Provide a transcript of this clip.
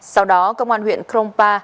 sau đó công an huyện crompa